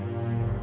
aku mau ke rumah